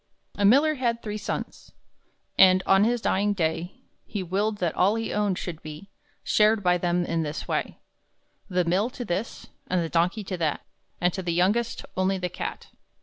A miller had three sons, And, on his dying day, He willed that all he owned should be Shared by them in this way: The mill to this, and the donkey to that, And to the youngest only the cat.